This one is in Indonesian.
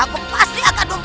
aku pasti akan mencoba